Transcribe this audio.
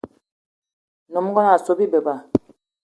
Nyom ngón o so bi beba.